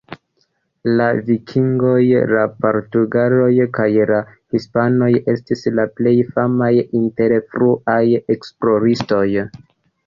La vikingoj, la portugaloj, kaj la hispanoj estis la plej famaj inter fruaj esploristoj.